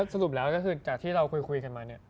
สรุปแล้วก็คือจากที่เราคุยกันมาเนี่ย